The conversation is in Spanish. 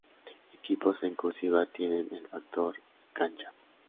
Equipos en "cursiva" tienen el factor cancha.